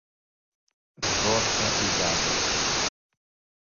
Зорка и Загорка